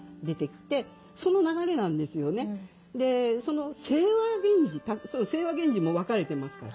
その清和源氏その清和源氏も分かれてますから。